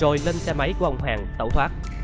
rồi lên xe máy của ông hoàng tẩu thoát